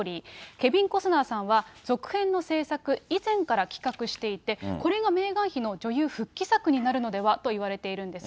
ケビン・コスナーさんは、製作、以前から企画していて、これがメーガン妃の女優復帰作になるのではといわれているんです。